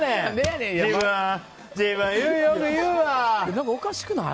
何かおかしくない？